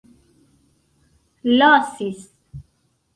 lasis